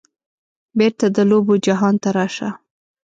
بیرته د لوبو جهان ته راشه